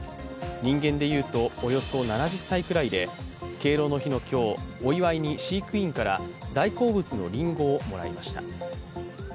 人間で言うと、およそ７０歳くらいで、敬老の日の今日、お祝いに飼育員から大好物のりんごをもらいました。